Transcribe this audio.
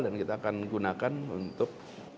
dan kita akan gunakan untuk